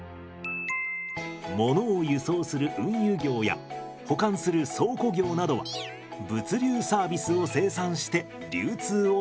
ものを輸送する運輸業や保管する倉庫業などは物流サービスを生産して流通をサポートしています。